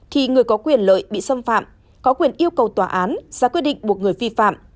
thì người có quyền lợi bị xâm phạm có quyền yêu cầu tòa án ra quyết định buộc người vi phạm